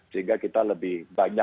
sehingga kita lebih banyak